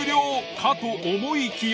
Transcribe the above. かと思いきや。